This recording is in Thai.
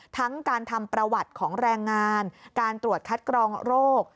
ทั้งการทำประวัติของแรงงานการตรวจคัดกรองโรค